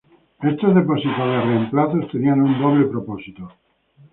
Estos depósitos de reemplazos tenían un doble propósito.